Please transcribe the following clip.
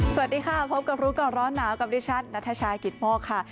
สวัสดีค่ะพบกับรู้ก่อนร้อนหนาวกับดิฉันนัทชายกิตโมกค่ะ